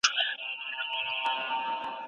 تخنيکي معلومات زده کوونکو ته ښوول کيږي.